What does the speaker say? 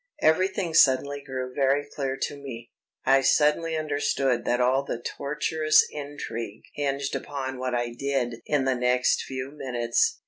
Everything suddenly grew very clear to me. I suddenly understood that all the tortuous intrigue hinged upon what I did in the next few minutes.